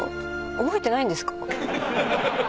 覚えてないんですか？